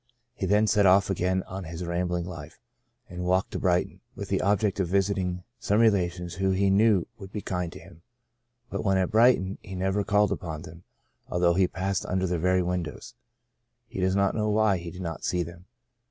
He then set ofF again on his rambling life, and walked to Brighton, with the object of visiting some relations who he knew would be kind to him ; but when at Brighton he never called upon them, although he passed under their very windows ; he does not know why he did not see them.